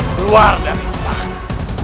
keluar dari istana